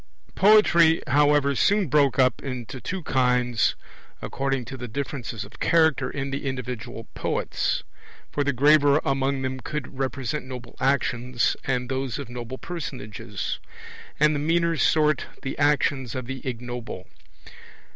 Poetry, however, soon broke up into two kinds according to the differences of character in the individual poets; for the graver among them would represent noble actions, and those of noble personages; and the meaner sort the actions of the ignoble.